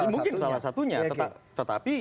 mungkin salah satunya tetapi